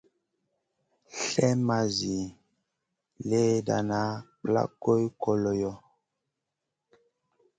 Slèh ma zi léhdéna plak goy koloy.